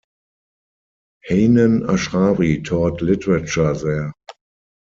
Hanan Ashrawi taught literature there.